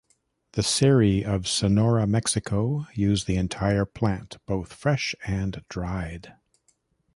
The Seri of Sonora, Mexico use the entire plant both fresh and dried.